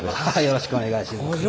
よろしくお願いします。